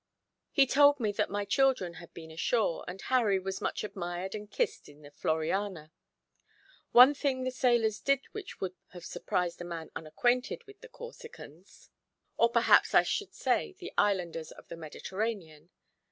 He told me that my children had been ashore, and Harry was much admired and kissed in the Floriana. One thing the sailors did which would have surprised a man unacquainted with the Corsicans, or perhaps I should say the islanders of the Mediterranean.